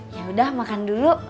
yaudah makan dulu